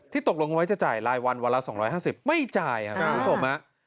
ตกลงไว้จะจ่ายรายวันวันละ๒๕๐ไม่จ่ายครับคุณผู้ชม